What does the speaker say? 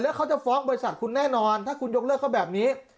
แล้วเขาจะฟ้องบริษัทคุณแน่นอนถ้าคุณยกเลิกเขาแบบนี้